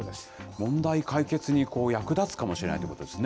問題解決に役立つかもしれないということですね。